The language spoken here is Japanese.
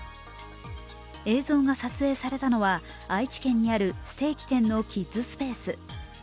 映像が撮影されたのは愛知県にあるステーキ店のキッズスペース。